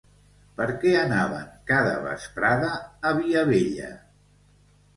Per què anaven, cada vesprada, a Viavella?